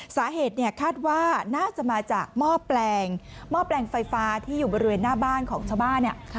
สาเหตุเนี่ยคาดว่าน่าจะมาจากหม้อแปลงหม้อแปลงไฟฟ้าที่อยู่บริเวณหน้าบ้านของชาวบ้านเนี่ย